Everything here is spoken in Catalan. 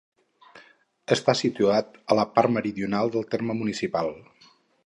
Està situat a la part meridional del terme municipal.